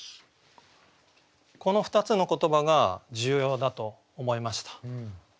この２つの言葉が重要だと思いました。